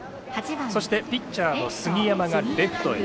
そしてピッチャーの杉山がレフトへ。